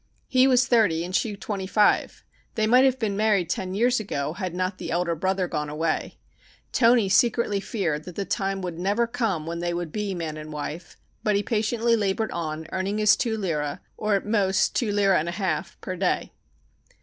He was thirty and she twenty five. They might have married ten years ago had not the elder brother gone away. Toni secretly feared that the time would never come when they would be man and wife, but he patiently labored on earning his two lire, or at most two lire and a half, a day.